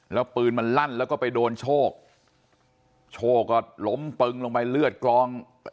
แล้วปืนมันลั่นแล้วก็ไปโดนโชคโชคก็ล้มปึงลงไปเลือดกรอง